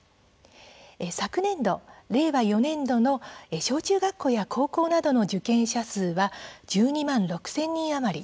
昨年度、令和４年度の小中学校や高校などの受験者数は１２万６０００人余り。